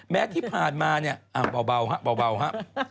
แม้ที่ผ่านมาเนี่ยอ้าวเบาฮะ